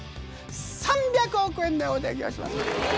３００億円でご提供します。